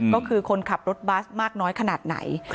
ก็คือคนขับรถบัสมากน้อยขนาดไหน